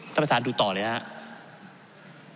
ท่านประธานดูต่อเลยครับ